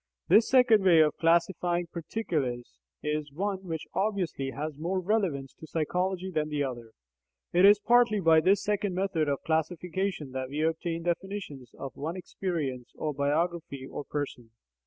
This second way of classifying particulars is one which obviously has more relevance to psychology than the other. It is partly by this second method of classification that we obtain definitions of one "experience" or "biography" or "person."